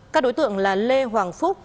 các đối tượng là lê hoàng phúc